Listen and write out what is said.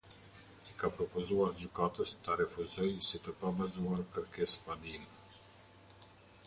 I ka propozuar gjykatës ta refuzoj si të pa bazuar kërkesëpadinë.